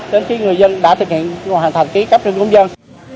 đến khi người dân đã thực hiện hoàn thành ký cấp cân cung dân